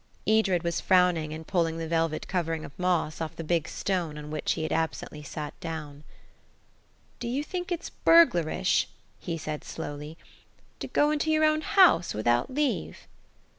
Edred was frowning and pulling the velvet covering of moss off the big stone on which he had absently sat down. "'AYE,' HE SAID, 'YOU'RE AN ARDEN, FOR SURE.'" "Do you think it's burglarish," he said slowly, "to go into your own house without leave?"